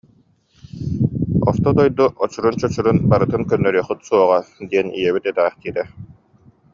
Орто дойду очурун-чочурун барытын көннөрүөххүт суоҕа диэн ийэбит этээхтиирэ